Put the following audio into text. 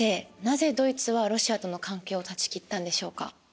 なぜドイツはロシアとの関係を断ち切ったんでしょうか？